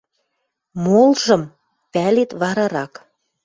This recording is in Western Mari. Молжым пӓлет варарак.